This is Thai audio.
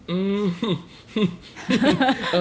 อืม